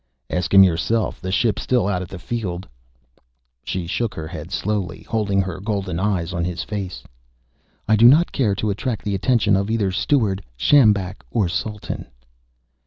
"Ask him yourself. The ship's still out at the field." She shook her head slowly, holding her golden eyes on his face. "I do not care to attract the attention of either steward, sjambak or Sultan."